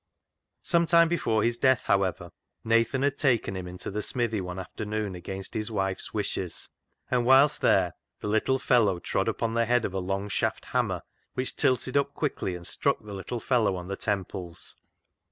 Some time before his death, however, Nathan had taken him into the smithy one afternoon against his wife's wishes, and whilst there the little fellow trod upon the head of a long shafted hammer, which tilted up quickly and struck the little fellow on the temples.